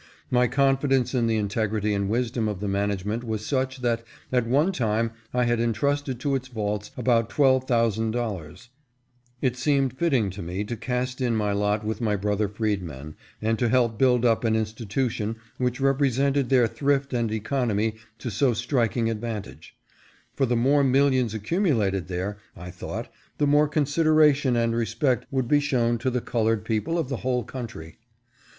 My confidence in the integrity and wisdom of the management was such that at one time I had en trusted to its vaults about twelve thousand dollars. It PRESIDENT OF FREEDMEN'S BANK. 489 seemed fitting to me to cast in my lot with my brother freedmen and to help build up an institution which rep resented their thrift and economy to so striking advan tage ; for the more millions accumulated there, I thought, the more consideration and respect would be shown to the colored people of the whole country.